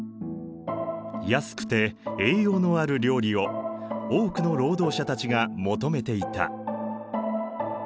安くて栄養のある料理を多くの労働者たちが求めていた。